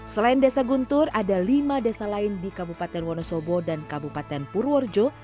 selain desa guntur ada lima desa lain di kabupaten wonosobo dan kabupaten purworejo